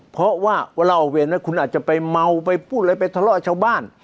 เพราะว่าเวลาเล่าเวรนะคุณอาจจะไปเมาไปพูดอะไรไปทะเลาะชาวบ้าน